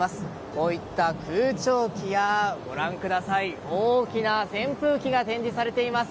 こういった空調機や大きな扇風機が展示されています。